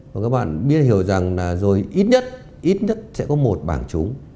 và các bạn biết hiểu rằng là rồi ít nhất ít nhất sẽ có một bảng chúng